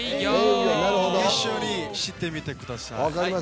一緒にしてみてください。